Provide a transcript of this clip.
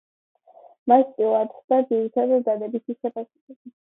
მას წილად ხვდა ძირითადად დადებითი შეფასებები.